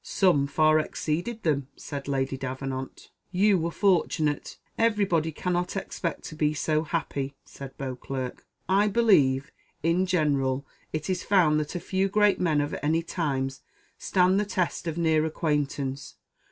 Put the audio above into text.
"Some far exceeded them," said Lady Davenant. "You were fortunate. Every body cannot expect to be so happy," said Beauclerc. "I believe, in general it is found that few great men of any times stand the test of near acquaintance.